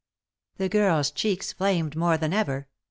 The girl's cheeks flamed more than ever.